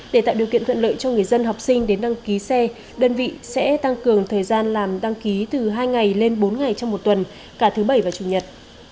để tạo điều kiện thuận lợi cho người dân học sinh đến đăng ký xe đơn vị sẽ tăng cường thời gian làm đăng ký từ hai ngày lên bốn ngày trong một tuần cả thứ bảy và chủ nhật